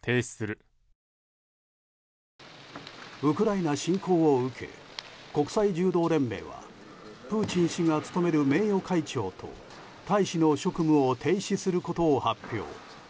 ウクライナ侵攻を受け国際柔道連盟はプーチン氏が務める名誉会長と大使の職務を停止することを発表。